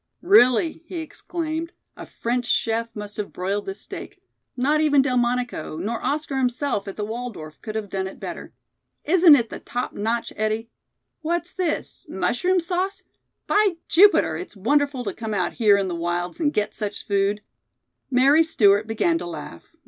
"Really," he exclaimed, "a French chef must have broiled this steak. Not even Delmonico, nor Oscar himself at the Waldorf, could have done it better. Isn't it the top notch, Eddie? What's this? Mushroom sauce? By Jupiter, it's wonderful to come out here in the wilds and get such food." Mary Stewart began to laugh.